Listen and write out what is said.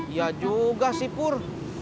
iya juga sih pur